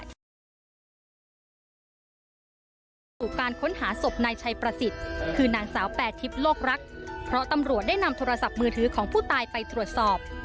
ขณะที่การค้นหาศพนายชัยประสิทธิ์คือนางสาวแปรทิพย์โลกรักเพราะตำรวจได้นำโทรศัพท์มือถือของผู้ตายไปตรวจสอบ